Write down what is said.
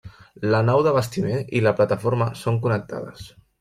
La nau d'abastiment i la plataforma són connectades.